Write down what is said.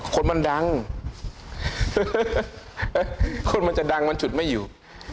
คนมันดังคนมันจะดังมันฉุดไม่อยู่